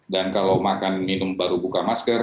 dan kalau makan minum baru buka masker